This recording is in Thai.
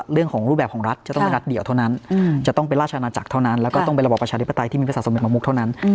๑เรื่องของรูปแบบของรัฐจะต้องเป็นรัฐเดี่ยวเท่านั้น